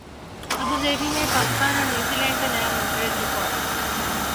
Abu Dhabi میں پاکستان اور New Zealand کا نیا منفرد ریکارڈ